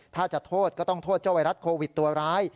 ถ้าจะโทษก็ต้องโทษเจ้าไวรัสโควิดตัวร้าย